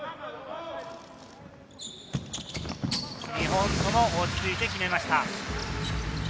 ２本とも落ち着いて決めました。